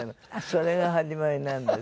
それが始まりなんです。